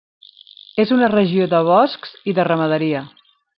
És una regió de boscs i de ramaderia.